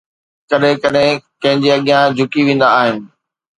ڪڏهن ڪڏهن ڪنهن جي اڳيان جهڪي ويندا آهن